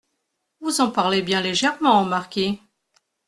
Vous en parlez bien légèrement, marquis.